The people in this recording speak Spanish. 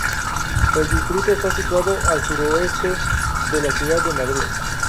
El distrito está situado al suroeste de la ciudad de Madrid.